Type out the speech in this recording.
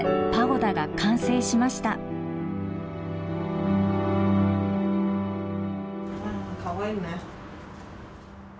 うんかわいいね。